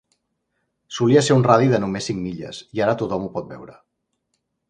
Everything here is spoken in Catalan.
Solia ser un radi de només cinc milles, i ara tothom ho pot veure.